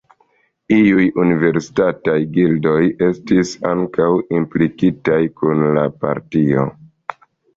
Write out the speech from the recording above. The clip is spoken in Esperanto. Iuj universitataj gildoj estis ankaŭ implikitaj kun la partio.